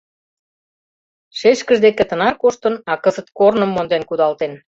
Шешкыж деке тынар коштын, а кызыт корным монден кудалтен.